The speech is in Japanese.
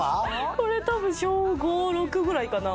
これ多分小５６ぐらいかな。